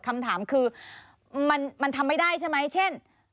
คำถามคือมันทำไม่ได้ใช่ไหมเช่น